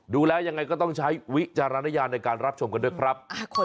ดูแล้วยังไงก็ต้องใช้วิจารณญาณในการรับชมกันด้วยครับ